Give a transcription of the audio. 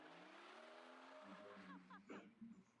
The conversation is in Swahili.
Epuka kuchanganya makundi ya mifugo